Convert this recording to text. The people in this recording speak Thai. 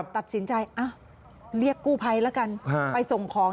ตัดสินใจเรียกกู้ภัยแล้วกันไปส่งของ